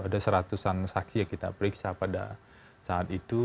ada seratusan saksi yang kita periksa pada saat itu